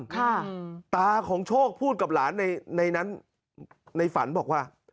ค่ะตาของโชคพูดกับหลานในในนั้นในฝันบอกว่า